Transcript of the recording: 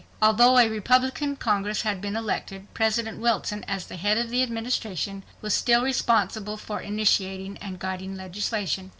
Although a Republican Congress had been elected, President Wilson, as the head of the Administration, was still responsible for initiating and guiding legislation.